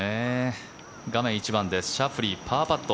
画面１番シャフリー、パーパット。